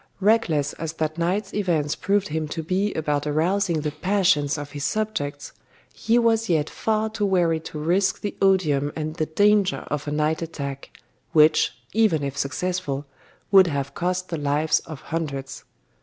Reckless as that night's events proved him to be about arousing the passions of his subjects, he was yet far too wary to risk the odium and the danger of a night attack, which, even if successful, would have cost the lives of hundreds.